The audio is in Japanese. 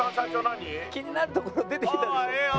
気になるところ出てきたでしょ？